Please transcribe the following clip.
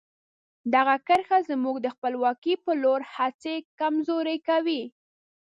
دغه کرښه زموږ د خپلواکۍ په لور هڅې کمزوري کوي.